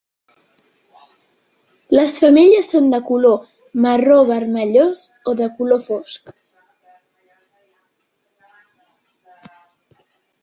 Les femelles són de color marró-vermellós o de color fosc.